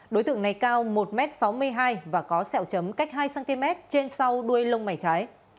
đối tượng này cao một m sáu mươi hai và có sẹo chấm cách hai cm trên sau đuôi lông mảy trái